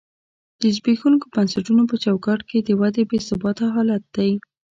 د زبېښونکو بنسټونو په چوکاټ کې د ودې بې ثباته حالت دی.